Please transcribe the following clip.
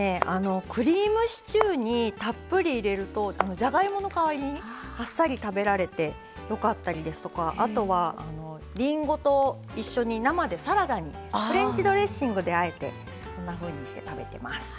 クリームシチューにたっぷり入れるとじゃがいもの代わりであっさり食べられてよかったりりんごと一緒に生でサラダにフレンチドレッシングであえてそんなふうにして食べてます。